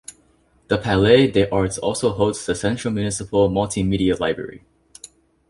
The Palais des Arts also hosts the central municipal multimedia library.